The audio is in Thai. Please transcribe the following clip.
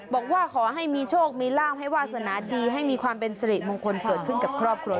บอกว่าขอให้มีโชคมีลาบให้วาสนาดีให้มีความเป็นสิริมงคลเกิดขึ้นกับครอบครัว